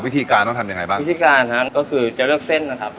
วิธีการต้องทำยังไงบ้างวิธีการฮะก็คือจะเลือกเส้นนะครับ